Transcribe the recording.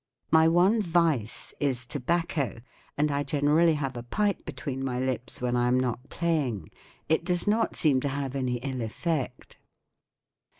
My one " vice M is tobacco, and I generally have a pipe between my lips when I am not playing. It does not seem to have any ill effect.